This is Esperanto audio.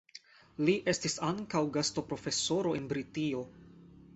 Li estis ankaŭ gastoprofesoro en Britio.